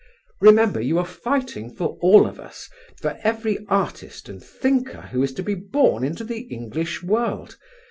Remember you are fighting for all of us, for every artist and thinker who is to be born into the English world....